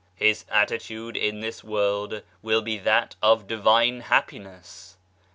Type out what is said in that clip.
His attitude in this world will be that of divine happiness.